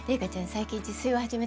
最近自炊を始めたわ。